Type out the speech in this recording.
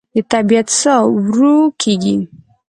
د طبیعت ساه ورو کېږي